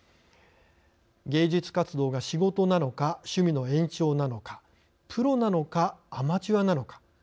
芸術活動が仕事なのか趣味の延長なのかプロなのかアマチュアなのか。